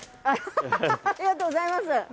ありがとうございます。